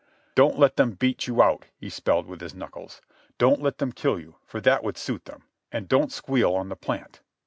"Don't let them beat you out," he spelled with his knuckles. "Don't let them kill you, for that would suit them. And don't squeal on the plant."